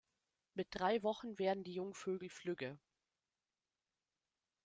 Mit drei Wochen werden die Jungvögel flügge.